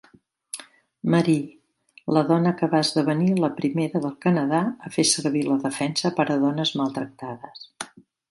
Marie, la dona que va esdevenir la primera del Canadà a fer servir la defensa per a dones maltractades.